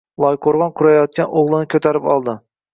Loyqo‘rg‘on qurayotgan o‘g‘lini ko‘tarib oldi